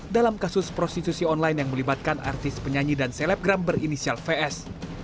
dalam kasus prostitusi online yang melibatkan artis penyanyi dan selebgram berinisial vs